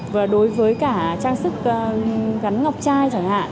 và đối với cả trang sức gắn ngọc chai chẳng hạn